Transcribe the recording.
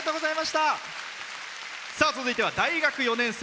続いては大学４年生。